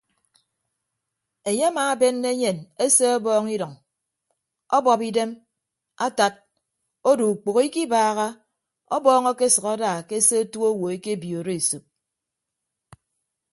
Enye amaabenne enyen ese ọbọọñ idʌñ ọbọp idem atad odo ukpәho ikibaaha ọbọọñ akesʌk ada ke se otu owo ekebiooro esop.